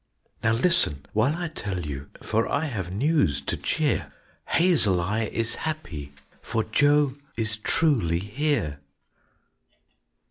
"Now listen while I tell you, For I have news to cheer; Hazel Eye is happy, For Joe is truly here."